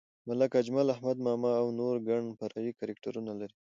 ملک اجمل، احمد ماما او نور ګڼ فرعي کرکټرونه لري.